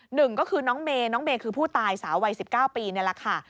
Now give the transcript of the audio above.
หนึ่งก็คือน้องเมย์น้องเมย์คือผู้ตายสาววัย๑๙ปีนี่แหละค่ะ